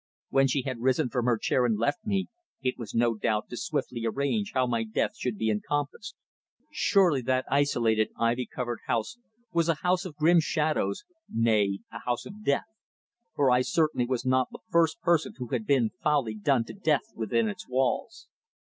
When she had risen from her chair and left me, it was, no doubt, to swiftly arrange how my death should be encompassed. Surely that isolated, ivy covered house was a house of grim shadows nay, a house of death for I certainly was not the first person who had been foully done to death within its walls.